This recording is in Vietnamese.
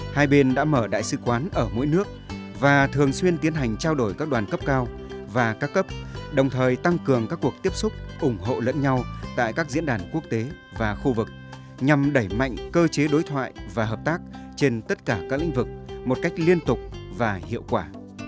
hai bên đã mở đại sứ quán ở mỗi nước và thường xuyên tiến hành trao đổi các đoàn cấp cao và các cấp đồng thời tăng cường các cuộc tiếp xúc ủng hộ lẫn nhau tại các diễn đàn quốc tế và khu vực nhằm đẩy mạnh cơ chế đối thoại và hợp tác trên tất cả các lĩnh vực một cách liên tục và hiệu quả